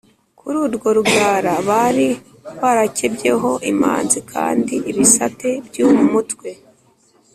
Kuri urwo rugara bari barakebyeho imanzi kandi ibisate by’uwo mutwe